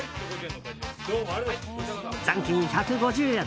残金１５０円。